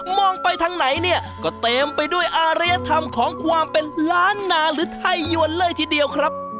มองไปทางไหนเนี่ยก็เต็มไปด้วยอารยธรรมของความเป็นล้านนาหรือไทยยวนเลยทีเดียวครับ